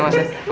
makasih ya pak